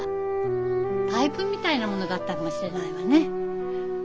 パイプみたいなものだったのかもしれないわね。